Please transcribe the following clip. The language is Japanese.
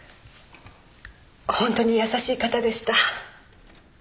ホントに優しい方でした。